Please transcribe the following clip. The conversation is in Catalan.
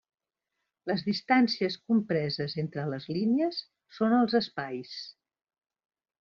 Les distàncies compreses entre les línies són els espais.